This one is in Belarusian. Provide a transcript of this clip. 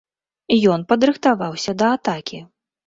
Ён падрыхтаваўся да атакі.